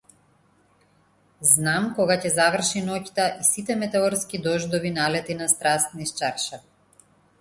Знам кога ќе заврши ноќта и сите метеорски дождови налети на страст низ чаршафи.